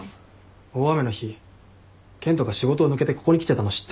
大雨の日健人が仕事を抜けてここに来てたの知ってんだろ。